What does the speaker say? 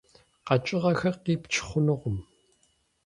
КъэкӀыгъэхэр къипч хъунукъым.